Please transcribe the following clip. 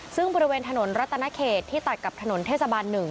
ซึ่งบริเวณถนนรัตนเขตที่ตัดกับถนนเทศบาล๑